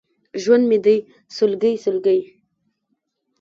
ژوند مې دی سلګۍ، سلګۍ!